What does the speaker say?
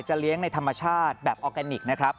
เลี้ยงในธรรมชาติแบบออร์แกนิคนะครับ